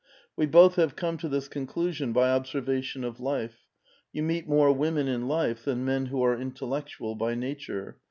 We both have come to this conclusion by observation of life ; you meet more women in life than men who are intellectual bv nature.